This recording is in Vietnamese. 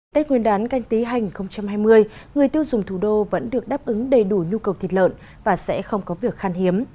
tết nguyên đán canh tí hành hai mươi người tiêu dùng thủ đô vẫn được đáp ứng đầy đủ nhu cầu thịt lợn và sẽ không có việc khan hiếm